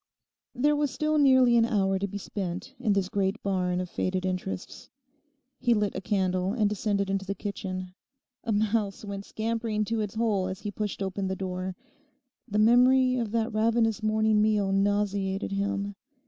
There was still nearly an hour to be spent in this great barn of faded interests. He lit a candle and descended into the kitchen. A mouse went scampering to its hole as he pushed open the door. The memory of that ravenous morning meal nauseated him.